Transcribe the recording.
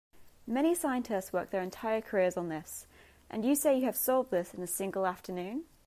Many scientists work their entire careers on this, and you say you have solved this in a single afternoon?